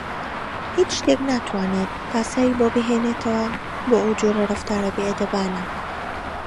هیچ شتێک ناتوانێت پاساوی بۆ بهێنێتەوە بۆ ئەو جۆرە ڕەفتارە بێئەدەبانە.